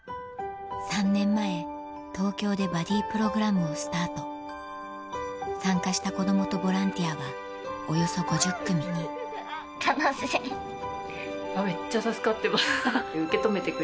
３年前東京でバディプログラムをスタート参加した子供とボランティアはおよそ５０組にめっちゃ。